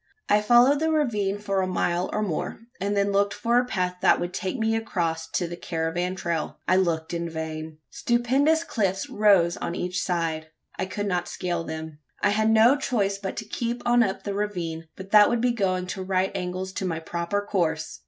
I followed the ravine for a mile or more; and then looked for a path that would take me across to the caravan trail. I looked in vain. Stupendous cliffs rose on each side. I could not scale them. I had no choice but to keep on up the ravine; but that would be going at right angles to my proper course!